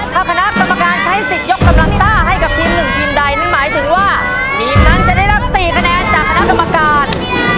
ถ้าคณะกรรมการใช้สิทธิ์ยกกำลังต้าให้กับทีมหนึ่งทีมใดนี่หมายถึงว่าทีมนั้นจะได้รับ๔คะแนนจากคณะกรรมการ